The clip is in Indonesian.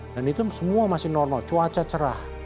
dan itu semua masih normal cuaca cerah